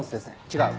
違う。